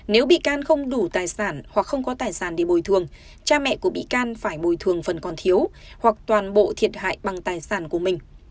nếu bị can không đủ tài sản hoặc không có tài sản để bồi thường cha mẹ của bị can phải bồi thường phần còn thiếu hoặc toàn bộ thiệt hại bằng tài sản của mình